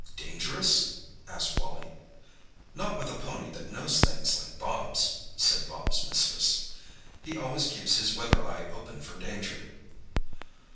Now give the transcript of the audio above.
"Dangerous?" asked Wally. "Not with a pony that knows things like Bobs," said Bobs' mistress. "He always keeps his weather eye open for danger."